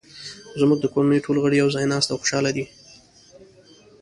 زموږ د کورنۍ ټول غړي یو ځای ناست او خوشحاله دي